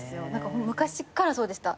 昔っからそうでした。